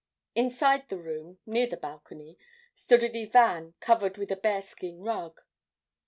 Inside the room, near the balcony, stood a divan covered with a bearskin rug.